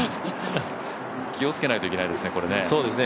気をつけないといけないですね、これね。